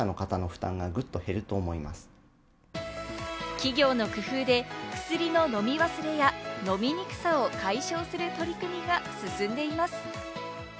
企業の工夫で、薬の飲み忘れや、飲みにくさを解消する取り組みが進んでいます。